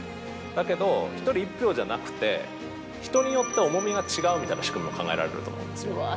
だけど１人１票じゃなくて人によって重みが違うみたいな仕組みも考えられると思うんですよ。